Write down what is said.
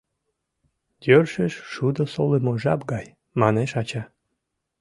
— Йӧршеш шудо солымо жап гай, — манеш ача.